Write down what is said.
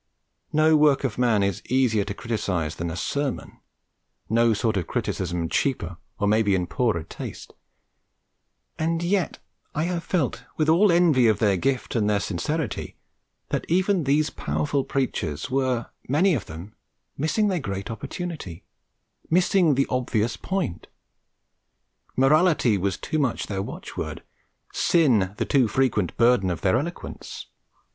No work of man is easier to criticise than a sermon, no sort of criticism cheaper or maybe in poorer taste; and yet I have felt, with all envy of their gift and their sincerity, that even these powerful preachers were, many of them, missing their great opportunity, missing the obvious point. Morality was too much their watchword, Sin the too frequent burden of their eloquence.